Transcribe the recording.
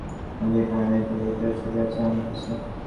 এটা এখানে নেই, তবে এটার ছবি আছে আমার কাছে।